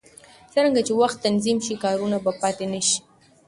څرنګه چې وخت تنظیم شي، کارونه به پاتې نه شي.